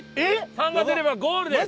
「３」が出ればゴールです。